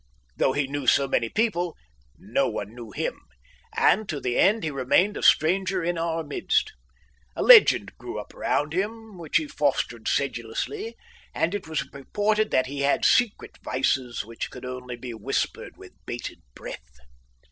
Though he knew so many people, no one knew him, and to the end he remained a stranger in our midst. A legend grew up around him, which he fostered sedulously, and it was reported that he had secret vices which could only be whispered with bated breath.